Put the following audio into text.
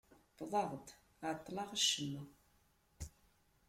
Wwḍeɣ-d εeṭṭleɣ acemma.